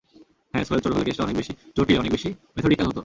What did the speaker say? হ্যাঁ, সোহেল চোর হলে কেসটা অনেক বেশি জটিল, অনেক বেশি মেথডিক্যাল হতো।